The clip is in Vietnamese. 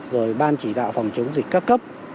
rồi ban chỉ đạo phòng chống dịch các cấp